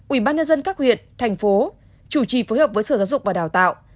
ubnd các huyện thành phố chủ trì phối hợp với sở giáo dục và đào tạo